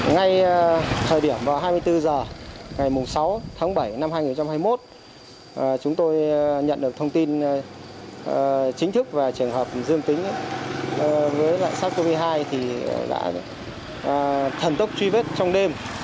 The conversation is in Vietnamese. ngay thời điểm vào hai mươi bốn h ngày sáu tháng bảy năm hai nghìn hai mươi một chúng tôi nhận được thông tin chính thức về trường hợp dương tính với sars cov hai thì đã thần tốc truy vết trong đêm